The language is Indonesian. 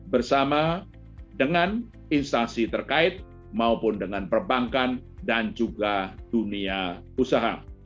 bersama dengan instansi terkait maupun dengan perbankan dan juga dunia usaha